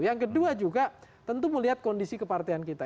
yang kedua juga tentu melihat kondisi kepartian kita